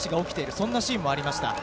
そんなシーンもありました。